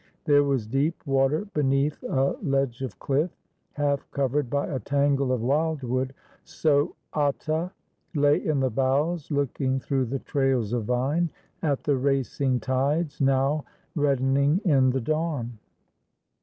There was deep water beneath a ledge of cliff, half covered by a tangle of wildwood. So Atta lay in the bows, looking through the trails of vine at the racing tides now reddening in the dawn.